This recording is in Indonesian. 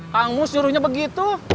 kang mus suruhnya begitu